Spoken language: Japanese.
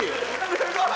すごい！